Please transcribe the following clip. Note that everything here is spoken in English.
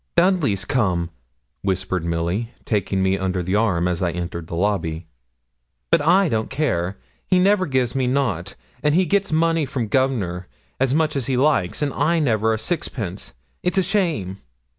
'Dudley's come,' whispered Milly, taking me under the arm as I entered the lobby. 'But I don't care: he never gives me nout; and he gets money from Governor, as much as he likes, and I never a sixpence. It's a shame!'